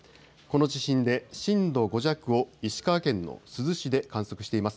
この地震で震度５弱を石川県の珠洲市で観測しています。